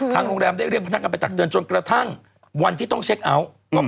โรงแรมได้เรียกพนักงานไปตักเตือนจนกระทั่งวันที่ต้องเช็คเอาท์